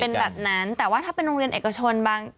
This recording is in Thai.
เป็นแบบนั้นแต่ว่าถ้าเป็นโรงเรียนเอกชนบาง